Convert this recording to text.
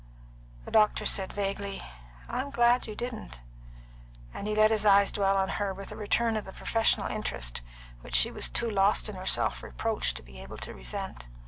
The doctor said vaguely, "I'm glad you didn't," and he let his eyes dwell on her with a return of the professional interest which she was too lost in her self reproach to be able to resent.